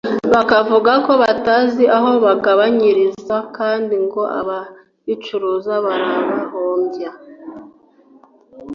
bakavuga ko batazi aho bigabanyirizwa kandi ngo ababicuruza birabahombya